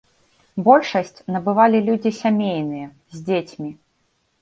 Большасць набывалі людзі сямейныя, з дзецьмі.